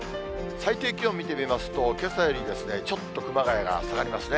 最低気温見てみますと、けさより、ちょっと熊谷が下がりますね。